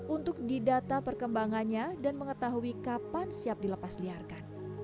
untuk didata perkembangannya dan mengetahui kapan siap dilepas liarkan